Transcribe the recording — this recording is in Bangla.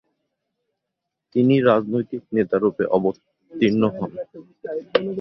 তিনি রাজনৈতিক নেতারূপে অবতীর্ণ হন।